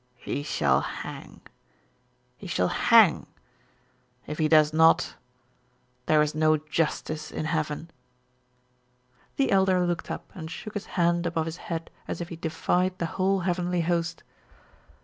He shall hang. He shall hang. If he does not, there is no justice in heaven." The Elder looked up and shook his hand above his head as if he defied the whole heavenly host.